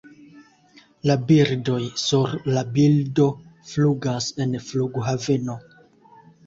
La birdoj, Sur la bildo, flugas en flughaveno.